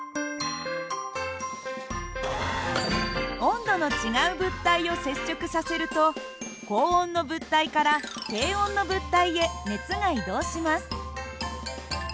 温度の違う物体を接触させると高温の物体から低温の物体へ熱が移動します。